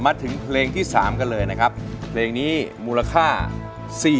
มาถึงเพลงที่๓กันเลยนะครับเพลงนี้มูลค่า